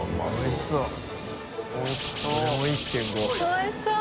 おいしそう。